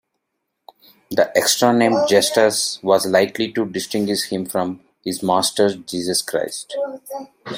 The extra name "Justus" was likely to distinguish him from his Master, Jesus Christ.